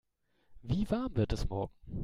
Wie warm wird es morgen?